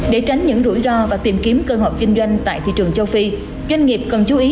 để tránh những rủi ro và tìm kiếm cơ hội kinh doanh tại thị trường châu phi doanh nghiệp cần chú ý